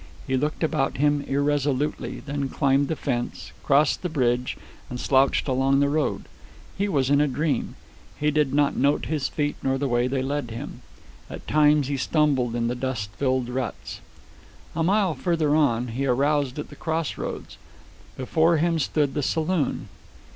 He looked about him irresolutely, then climbed the fence, crossed the bridge, and slouched along the road. He was in a dream. He did not note his feet nor the way they led him. At times he stumbled in the dust filled ruts. A mile farther on, he aroused at the crossroads. Before him stood the saloon.